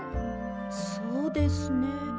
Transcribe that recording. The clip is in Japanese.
そうですね。